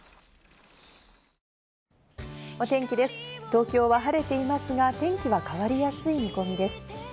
東京は晴れていますが、天気は変わりやすい見込みです。